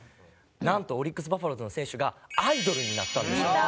なんとオリックス・バファローズの選手がアイドルになったんですよ。